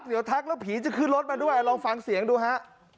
เดี๋ยวทักแล้วผีจะขึ้นรถมาด้วยลองฟังเสียงดูฮะ